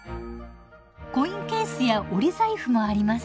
コインケースや折り財布もあります。